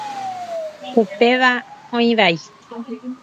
Upéva oĩ vai.